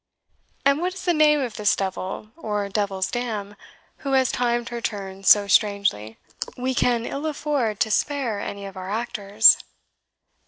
"And what is the name of this devil, or devil's dam, who has timed her turns so strangely?" said Varney. "We can ill afford to spare any of our actors."